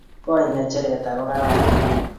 Koi ngecheret ako kararan